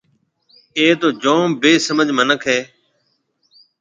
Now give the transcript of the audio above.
اَي تو جوم بيسمجھ مِنک هيَ۔